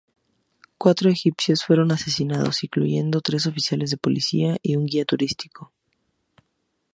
Cuatro egipcios fueron asesinados, incluyendo tres oficiales de policía y un guía turístico.